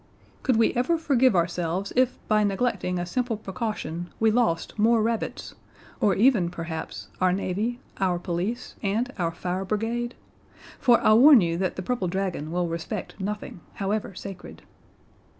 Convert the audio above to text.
"Could we ever forgive ourselves if by neglecting a simple precaution we lost more rabbits or even, perhaps, our navy, our police, and our fire brigade? For I warn you that the purple dragon will respect nothing, however sacred."